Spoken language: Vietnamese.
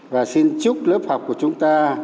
và xin chúc lớp học của chúng ta